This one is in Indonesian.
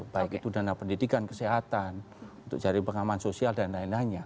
baik itu dana pendidikan kesehatan untuk jaring pengaman sosial dan lain lainnya